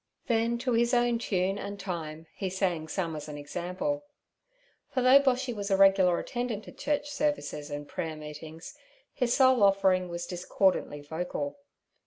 Then to his own tune and time he sang some as an example. For though Boshy was a regular attendant at church services and prayer meetings, his sole offering was discordantly vocal.